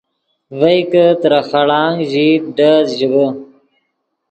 ڤئے کہ ترے خڑانگ ژئیت ڈیز ژیبیم